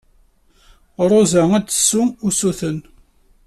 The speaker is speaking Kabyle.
Ṛuza ad d-tessu usuten.